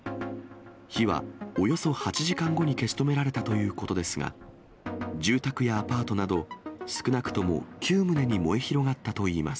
火はおよそ８時間後に消し止められたということですが、住宅やアパートなど少なくとも９棟に燃え広がったといいます。